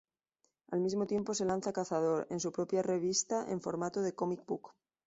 Al mismo tiempo se lanza Cazador, en su propia revista en formato de comic-book.